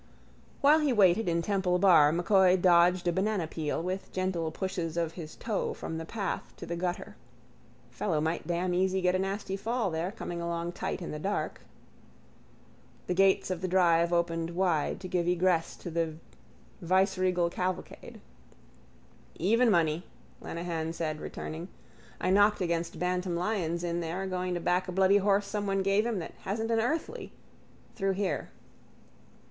While he waited in Temple bar M'Coy dodged a banana peel with gentle pushes of his toe from the path to the gutter. Fellow might damn easy get a nasty fall there coming along tight in the dark. The gates of the drive opened wide to give egress to the viceregal cavalcade. —Even money, Lenehan said returning. I knocked against Bantam Lyons in there going to back a bloody horse someone gave him that hasn't an earthly. Through here.